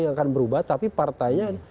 yang akan berubah tapi partainya